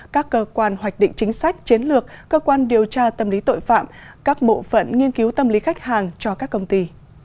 các cơ quan hoạch định chính sách chiến lược cơ quan điều tra tâm lý tội phạm các bộ phận nghiên cứu tâm lý khách hàng cho các công ty